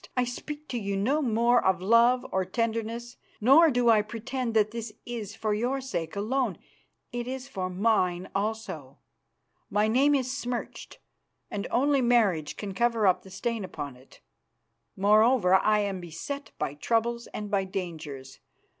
I speak to you no more of love or tenderness, nor do I pretend that this is for your sake alone. It is for mine also. My name is smirched, and only marriage can cover up the stain upon it. Moreover, I am beset by troubles and by dangers.